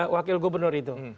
wakil gubernur itu